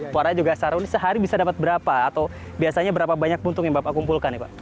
pokoknya juga sehari bisa dapat berapa atau biasanya berapa banyak puntung yang bapak kumpulkan ya pak